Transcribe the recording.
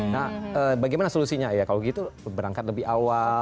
nah bagaimana solusinya ya kalau gitu berangkat lebih awal